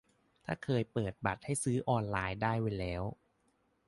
ถ้าเคยเปิดบัตรให้ซื้อออนไลน์ได้ไว้แล้ว